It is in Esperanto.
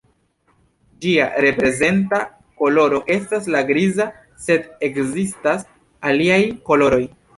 Ĝia reprezenta koloro estas la griza, sed ekzistas aliaj koloroj.